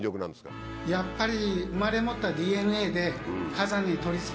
やっぱり。